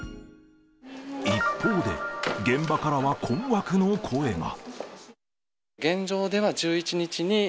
一方で現場からは困惑の声が。